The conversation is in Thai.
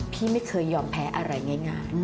พี่ไม่เคยยอมแพ้อะไรง่าย